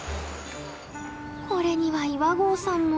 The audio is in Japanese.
これには岩合さんも。